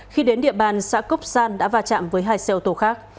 khi đến địa bàn xã cốc san đã va chạm với hai xe ô tô khác